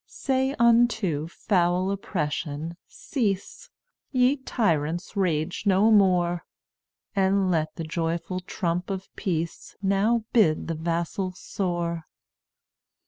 "Say unto foul oppression, Cease! Ye tyrants, rage no more; And let the joyful trump of peace Now bid the vassal soar.